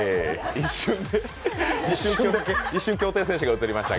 一瞬、競艇選手が映りました。